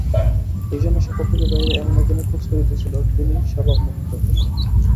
এইজন্য সে প্রকৃতির বাহিরে এমন একজনের খোঁজ করিতেছিল, যিনি স্বভাবত মুক্ত।